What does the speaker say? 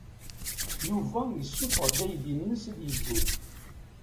Yuba yessuffeɣ aydi-nnes ad yeddu.